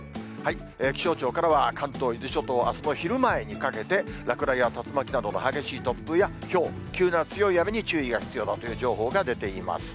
気象庁からは、関東、伊豆諸島、あすの昼前にかけて、落雷や竜巻などの激しい突風やひょう、急な強い雨に注意が必要だという情報が出ています。